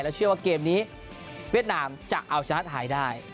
เชื่อว่าเกมนี้เวียดนามจะเอาชนะไทยได้